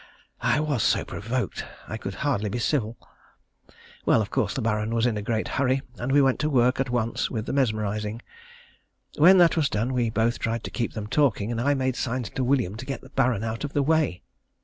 I was so provoked, I could hardly be civil. Well, of course the Baron was in a great hurry, and we went to work at once with the mesmerising. When that was done, we both tried to keep them talking, and I made signs to William to get the Baron out of the way.